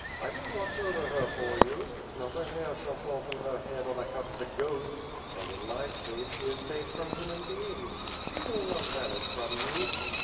I will watch over her for you. Not a hair shall fall from her head on account of the ghosts; and in my cave, she is safe from human beings. She will not vanish from you.''